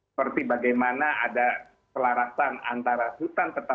seperti bagaimana ada kelarasan antara hutan